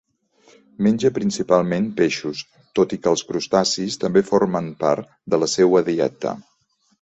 Menja principalment peixos, tot i que els crustacis també formen part de la seua dieta.